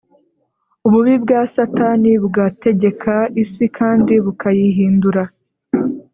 Ububi bwa Satani bugategeka isi kandi bukayihindura